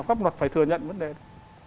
pháp luật phải thừa nhận vấn đề đó